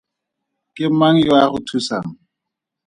Ke mang yo a go thusang?